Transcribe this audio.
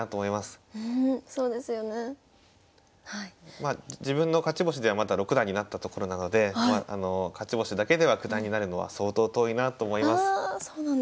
まあ自分の勝ち星ではまだ六段になったところなので勝ち星だけでは九段になるのは相当遠いなと思います。